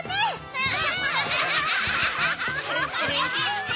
うん！